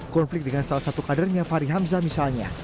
konflik dengan salah satu kadernya fahri hamzah misalnya